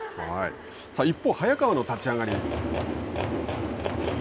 一方、早川の立ち上がり。